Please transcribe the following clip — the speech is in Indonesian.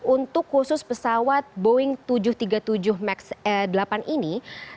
untuk khusus pesawat boeing tujuh ratus tiga puluh tujuh max delapan ini